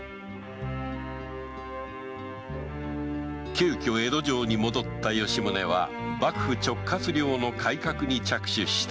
急遽江戸城に戻った吉宗は幕府直轄領の改革に着手した